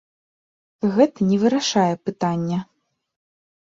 Гэта не вырашае пытання.